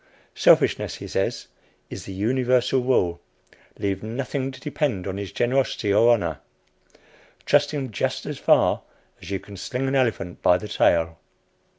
Selfishness, he says, is the universal rule leave nothing to depend on his generosity or honor; trust him just as far as you can sling an elephant by the tail.